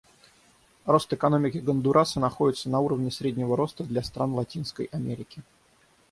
Рост экономики Гондураса находится на уровне среднего роста для стран Латинской Америки.